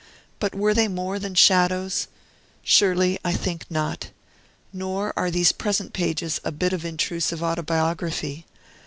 But were they more than shadows? Surely, I think not. Nor are these present pages a bit of intrusive autobiography.